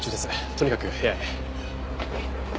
とにかく部屋へ。